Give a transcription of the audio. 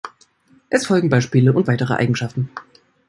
Es folgen Beispiele und weitere Eigenschaften.